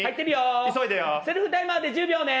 セルフタイマーで１０秒ね。